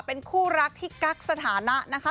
เป็นคู่รักที่กั๊กสถานะนะคะ